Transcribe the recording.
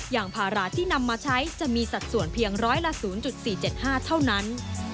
อย่างภาระที่นำมาใช้จะมีสัดส่วนเพียงร้อยละ๐๔๗๕เท่านั้น